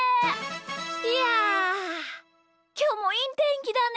いやきょうもいいてんきだね。